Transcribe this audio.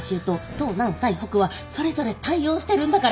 東南西北はそれぞれ対応してるんだから。